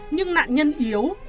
nhưng nạn nhân yếu